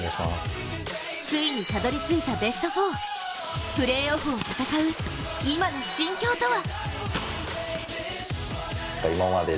ついにたどりついたベスト４、プレーオフを戦う、今の心境とは。